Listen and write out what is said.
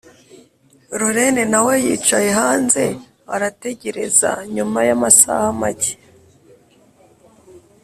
lorene nawe yicaye hanze arategereza nyuma y’amasaha make